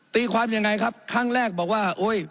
ตีความยังไงครับครั้งแรกบอกว่าโอ๊ย